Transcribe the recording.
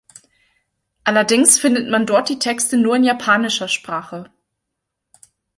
Allerdings findet man dort die Texte nur in japanischer Sprache.